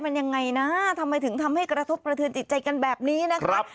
มันยังไงนะทำไมถึงทำให้กระทบกระเทือนจิตใจกันแบบนี้นะครับ